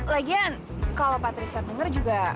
lagian kalau patristan denger juga